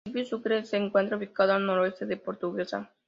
El Municipio Sucre se encuentra ubicado al noroeste de Portuguesa.